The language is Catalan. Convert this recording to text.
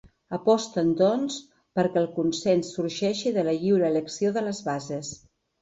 Aposten doncs perquè el consens sorgeixi de la lliure elecció de les bases.